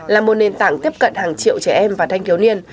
là một nền tảng tiếp cận hàng triệu trẻ em và thanh thiếu niên